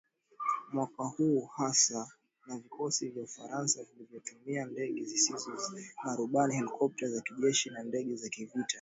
mwaka huu hasa na vikosi vya Ufaransa vilivyotumia ndege zisizo na rubani helikopta za kijeshi na ndege za kivita